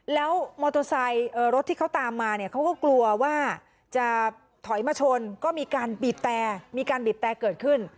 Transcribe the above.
แล้วรถที่เขาตามมาเขากลัวว่าจะถอยมาชนก็มีการบีดแตกเกิดขึ้น